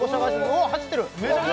おおっ走ってる！